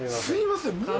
「すいません」？